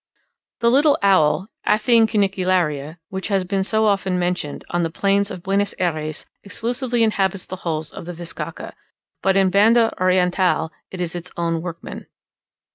The little owl (Athene cunicularia), which has been so often mentioned, on the plains of Buenos Ayres exclusively inhabits the holes of the bizcacha; but in Banda Oriental it is its own workman.